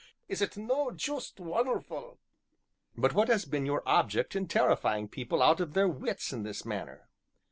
is it no juist won'erful?" "But what has been your object in terrifying people out of their wits in this manner?"